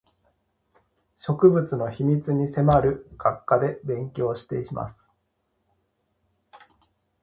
植物の秘密に迫る学科で勉強をしています